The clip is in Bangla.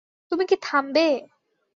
তুমি কি থামবে?